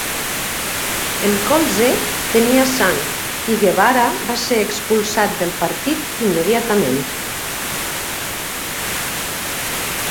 El colze tenia sang i Guevara va ser expulsat del partit immediatament.